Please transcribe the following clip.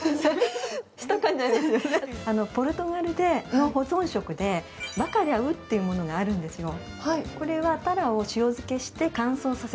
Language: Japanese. ポルトガルの保存食でバカリャウというものがあるんですよ。